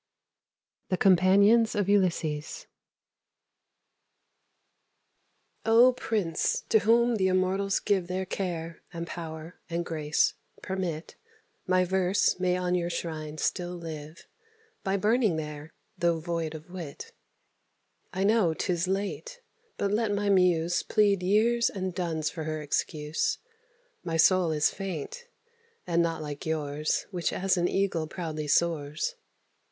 FABLE CCX. THE COMPANIONS OF ULYSSES. TO THE DUKE OF BURGUNDY. O Prince! to whom the immortals give Their care, and power, and grace, permit: My verse may on your shrine still live, By burning there, though void of wit. I know 'tis late; but let my muse Plead years and duns for her excuse. My soul is faint, and not like yours, Which as an eagle proudly soars.